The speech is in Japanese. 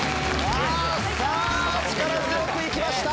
さぁ力強く行きました。